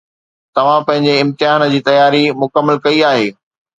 توهان پنهنجي امتحان جي تياري مڪمل ڪئي آهي